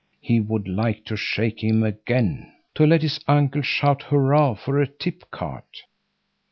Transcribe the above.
—He would like to shake him again! To let his uncle shout hurrah for a tip cart!